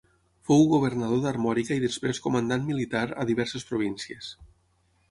Fou governador d'Armòrica i després comandant militar a diverses províncies.